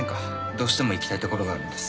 どうしても行きたい所があるんです